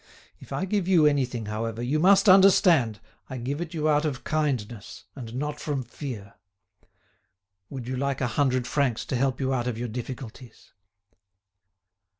If I give you anything, however, you must understand I give it you out of kindness, and not from fear. Would you like a hundred francs to help you out of your difficulties?"